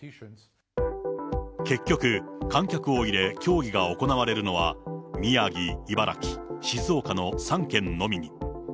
結局、観客を入れ競技が行われるのは、宮城、茨城、静岡の３県のみに。